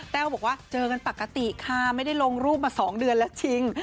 แววบอกว่าเจอกันปกติค่ะไม่ได้ลงรูปมา๒เดือนแล้วจริง